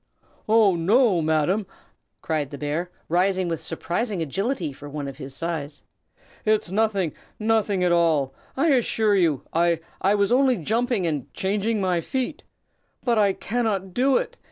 "Oh, no! Madam," cried the bear, rising with surprising agility for one of his size; "it's nothing! nothing at all, I assure you. I I was only jumping and changing my feet. But I cannot do it!"